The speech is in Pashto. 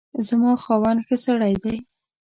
زما خاوند ښه سړی دی